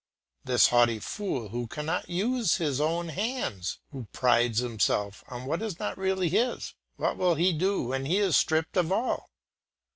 This haughty fool who cannot use his own hands, who prides himself on what is not really his, what will he do when he is stripped of all?